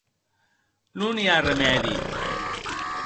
Non i a remèdi.